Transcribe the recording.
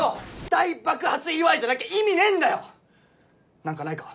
大爆発祝いじゃなきゃ意味ねえんだよなんかないか？